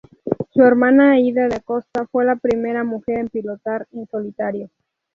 Su hermana Aída de Acosta, fue la primera mujer en pilotar en solitario.